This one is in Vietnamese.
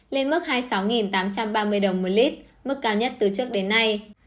lên mức hai mươi sáu tám trăm ba mươi đồng một lít mức cao nhất từ trước đến nay